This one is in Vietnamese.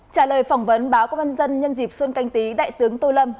trả lời phỏng vấn báo công an dân nhân dịp xuân canh tí đại tướng tô lâm